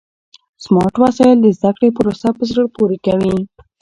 سمارټ وسایل د زده کړې پروسه په زړه پورې کوي.